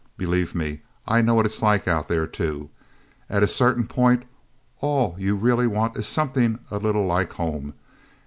Believe me, I know what it's like out there, too. At a certain point, all you really want is something a little like home.